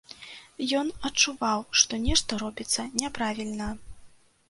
Ён адчуваў, што нешта робіцца няправільна.